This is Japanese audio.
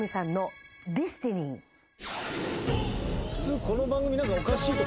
普通この番組。